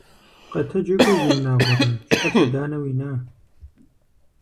Къэтэджи кӏуэ, зи унагъуэрэ. Щхьэ лъэданэ уина?